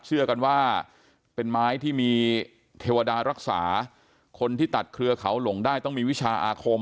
เชื่อกันว่าเป็นไม้ที่มีเทวดารักษาคนที่ตัดเครือเขาหลงได้ต้องมีวิชาอาคม